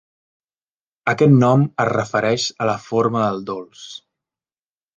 Aquest nom es refereix a la forma del dolç.